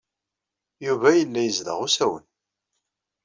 Yuba yella yezdeɣ usawen.